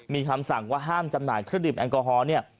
มีคำสั่งว่าห้ามจำหน่ายเครื่องดื่มแอลกอฮอล์เนี่ย